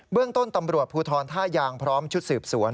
เรื่องต้นตำรวจภูทรท่ายางพร้อมชุดสืบสวน